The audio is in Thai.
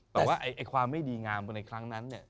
แต่ว่าความไม่ดีงามในครั้งนั้นเนี่ย